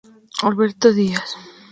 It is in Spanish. Alberto Díaz.